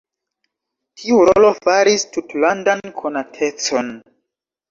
Tiu rolo faris tutlandan konatecon.